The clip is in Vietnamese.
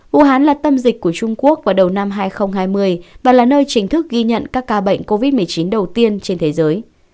vũ hán là tâm dịch của trung quốc vào đầu năm hai nghìn hai mươi và là nơi chính thức ghi nhận các ca bệnh covid một mươi chín đầu tiên trên thế giới